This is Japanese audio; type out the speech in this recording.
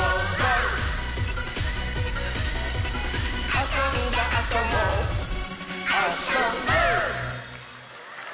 「あそんだあともあ・そ・ぼっ」